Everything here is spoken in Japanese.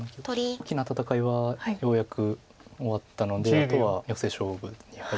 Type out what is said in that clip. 大きな戦いはようやく終わったのであとはヨセ勝負に入っていきます。